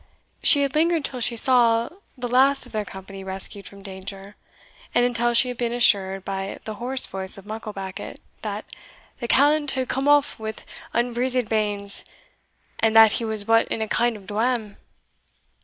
She had lingered till she saw the last of their company rescued from danger, and until she had been assured by the hoarse voice of Mucklebackit, that "the callant had come off wi' unbrizzed banes, and that he was but in a kind of dwam."